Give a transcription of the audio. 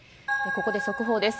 ここで速報です。